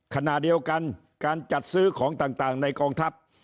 ขณะเดียวกันการจัดซื้อของต่างในกองทัพ